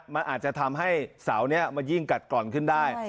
มันอาจจะทำให้เสานี้มันยิ่งกัดกร่อนขึ้นได้